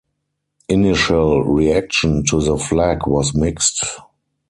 Initial reaction to the flag was mixed.